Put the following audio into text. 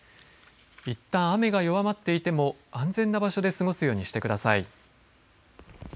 いったん雨が弱まっていても安全な場所で過ごすようにしてください。